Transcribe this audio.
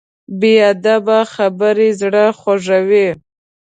بې ادبه خبرې زړه خوږوي.